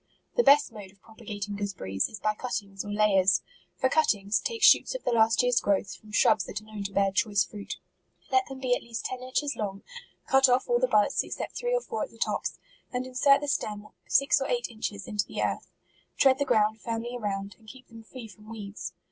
The best mode of propagating gooseber ries, is by cuttings or layers. For cuttings, take shoots of the last year's growth, from shrubs that are known to bear choice fruit. Let them be at least ten inches long ; cut off all the buds, except three or four at the tops, and insert the stem six or eight inches into the earth; tread the ground firmly around, and keep them free from weeds.